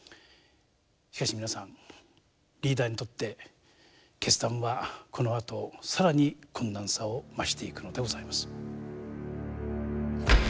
しかし皆さんリーダーにとって決断はこのあと更に困難さを増していくのでございます。